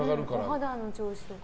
お肌の調子とか。